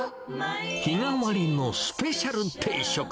日替わりのスペシャル定食。